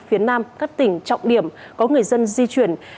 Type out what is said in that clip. phía nam các tỉnh trọng điểm có người dân di chuyển